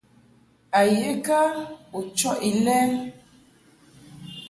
A ye kə u chɔʼ Ilɛ?